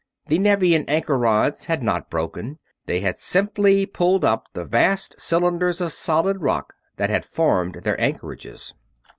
The Nevian anchor rods had not broken; they had simply pulled up the vast cylinders of solid rock that had formed their anchorages.